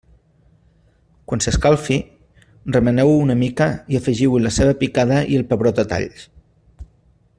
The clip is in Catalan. Quan s'escalfi, remeneu-ho una mica i afegiu-hi la ceba picada i el pebrot a talls.